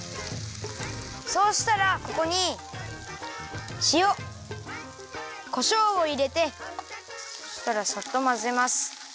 そうしたらここにしおこしょうをいれてそしたらさっとまぜます。